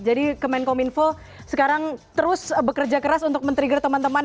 jadi kemenkom info sekarang terus bekerja keras untuk men trigger teman teman